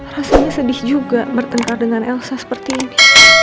rasanya sedih juga bertengkar dengan elsa seperti ini